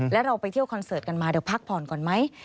แล้วเราไปเที่ยวคอนเสิร์ตกันมาเดี๋ยวพักผ่อนก่อนไหม